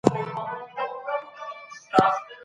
حکومت نظامي مداخله نه غواړي.